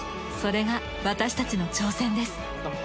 それが私たちの挑戦です。